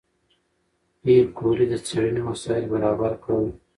پېیر کوري د څېړنې وسایل برابر کړل.